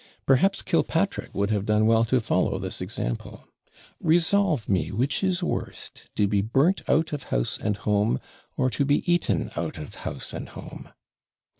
Perhaps Killpatrick would have done well to follow this example. Resolve me which is worst, to be burnt out of house and home, or to be eaten out of house and home.